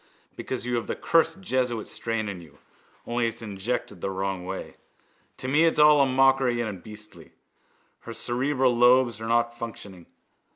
Because you have the cursed jesuit strain in you, only it's injected the wrong way. To me it's all a mockery and beastly. Her cerebral lobes are not functioning.